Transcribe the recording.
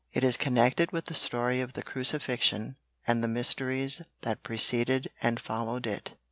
It is connected with the story of the Crucifixion and the mysteries that preceded and followed it.